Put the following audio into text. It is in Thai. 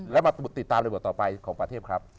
และมาติดตามเลยของประเทพเนี่ยครับ